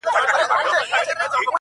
خو دې زما د مرگ د اوازې پر بنسټ”